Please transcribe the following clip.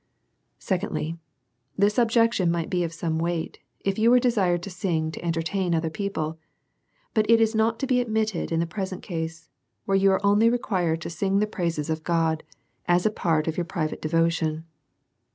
Secondly/, This objection might be of some weight if you was desired to sing to entertain other people, but is not to be admitted in the present case, where you are only required to sing the praises of God as a part of your own private devotion.